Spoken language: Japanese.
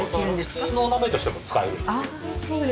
普通のお鍋としても使えるんですよ。